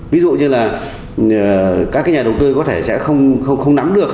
ví dụ như là các cái nhà đầu tư có thể sẽ không nắm được